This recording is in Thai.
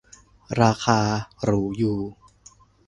ราคาหรูอยู่